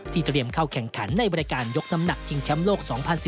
เตรียมเข้าแข่งขันในบริการยกน้ำหนักชิงแชมป์โลก๒๐๑๙